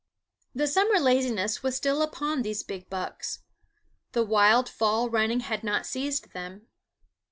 The summer laziness was still upon these big bucks; the wild fall running had not seized them.